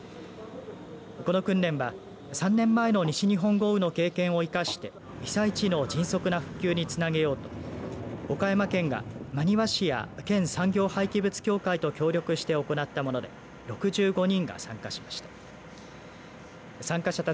この訓練は３年前の西日本豪雨の経験を生かして被災地の迅速な復旧につなげようと岡山県が真庭市や県産業廃棄物協会と協力して行ったもので６５人が参加しました。